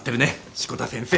志子田先生。